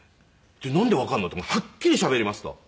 「なんでわかるの？」って「はっきりしゃべります」と。